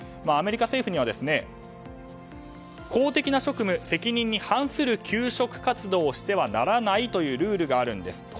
アメリカ政府には公的な職務・責任に反する求職活動をしてはならないというルールがあるんです。